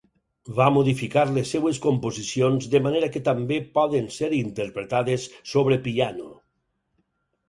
Va modificar les seves composicions de manera que també poden ser interpretades sobre piano.